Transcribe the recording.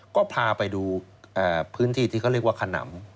ก็พาไปดูพื้นที่ที่เขาเรียกว่าขนำ